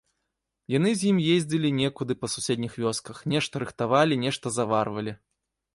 Яны з ім ездзілі некуды па суседніх вёсках, нешта рыхтавалі, нешта заварвалі.